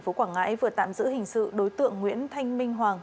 đội cảnh sát hình sự công an tp hcm vừa tạm giữ hình sự đối tượng nguyễn thanh minh hoàng